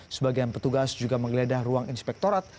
sebagian petugas juga menggeledah ruang inspektorat